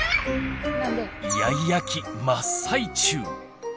イヤイヤ期真っ最中！